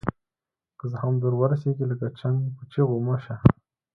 که زخم در ورسیږي لکه چنګ په چیغو مه شه.